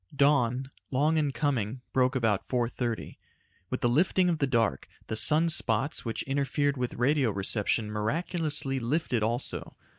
Dawn, long in coming, broke about 4:30. With the lifting of the dark, the sun spots which interfered with radio reception miraculously lifted also.